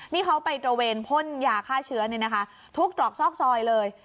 นี่เขาไปตระเวนพ่นยาฆ่าเชื้อทุกตรอกซอกซอยเลย